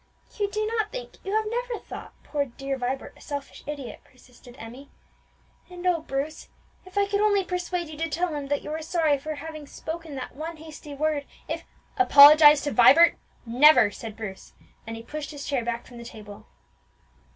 "You do not think you never have thought poor dear Vibert a selfish idiot," persisted Emmie; "and oh! Bruce, if I could only persuade you to tell him that you are sorry for having spoken that one hasty word, if " "Apologize to Vibert! never!" cried Bruce, and he pushed his chair back from the table.